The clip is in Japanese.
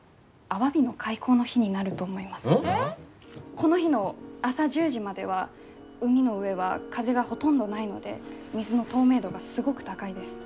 この日の朝１０時までは海の上は風がほとんどないので水の透明度がすごく高いです。